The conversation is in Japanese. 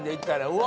うわ！